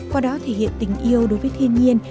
qua đó thể hiện tình yêu đối với thiên nhiên